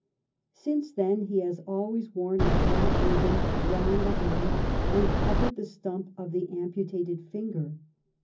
Since then he has always worn a black ribbon round the hand and covering the stump of the amputated finger.